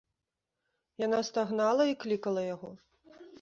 Яна стагнала і клікала яго.